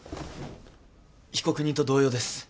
被告人と同様です。